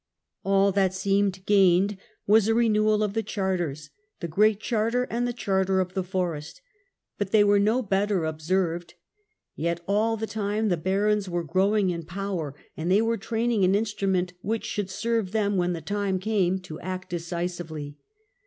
All that seemed gained was a renewal of the charters, the Great Charter, and the Charter of the Forest But they were no better observed. Yet all the time the barons were growing in power, and they were training an instrument which should serve them when the time came to act decisively.